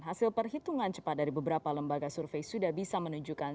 hasil perhitungan cepat dari beberapa lembaga survei sudah bisa menunjukkan